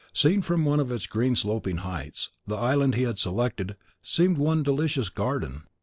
Seen from one of its green sloping heights, the island he had selected seemed one delicious garden.